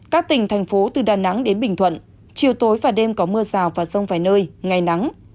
các tỉnh thành phố từ đà nẵng đến bình thuận chiều tối và đêm có mưa rào và rông vài nơi ngày nắng